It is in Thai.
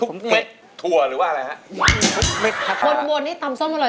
เม็ดถั่วหรือว่าอะไรฮะทุกเม็ดครับวนบนนี่ตำส้มอร่อย